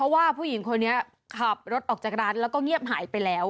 ว่าผู้หญิงคนนี้ขับรถออกจากร้านแล้วก็เงียบหายไปแล้ว